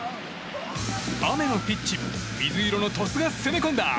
雨のピッチ水色の鳥栖が攻め込んだ！